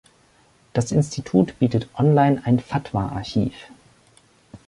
Das Institut bietet online ein Fatwa-Archiv.